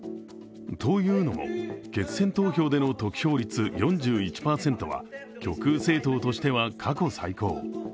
というのも、決選投票での得票率４１％は極右政党としては過去最高。